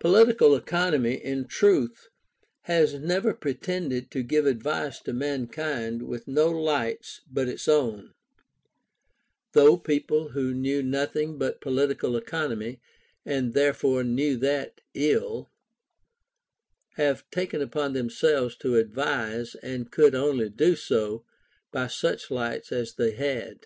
Political Economy, in truth, has never pretended to give advice to mankind with no lights but its own; though people who knew nothing but political economy (and therefore knew that ill) have taken upon themselves to advise, and could only do so by such lights as they had.